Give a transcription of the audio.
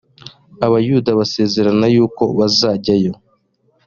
abayuda basezerana yuko bazajyayo